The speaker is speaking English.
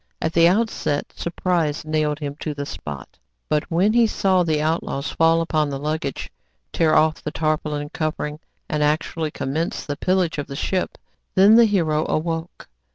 At the outset surprise nailed him to the spot. But when he saw the outlaws fall upon the luggage, tear off the tarpaulin covering, and actually commence the pillage of the ship, then the hero awoke.